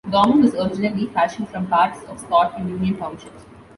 Dormont was originally fashioned from parts of Scott and Union Townships.